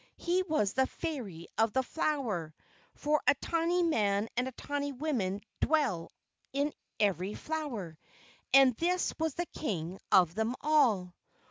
He was the Fairy of the flower; for a tiny man and a tiny woman dwell in every flower; and this was the King of them all.